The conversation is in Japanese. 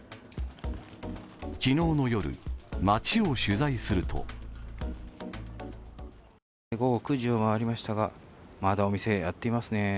昨日の夜、街を取材すると午後９時を回りましたが、まだお店はやっていますね。